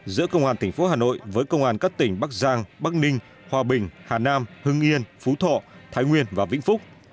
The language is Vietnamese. giữa công an tp hà nội với công an các tỉnh bắc giang bắc ninh hòa bình hà nam hưng yên phú thọ thái nguyên và vĩnh phúc